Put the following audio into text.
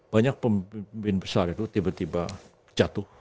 banyak pemimpin besar itu tiba tiba jatuh